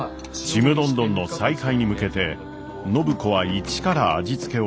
ちむどんどんの再開に向けて暢子は一から味付けを見直し